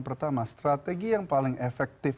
pertama strategi yang paling efektif